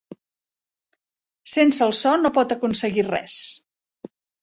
Sense el so no pot aconseguir res.